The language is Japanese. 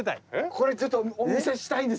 これちょっとお見せしたいんですけど。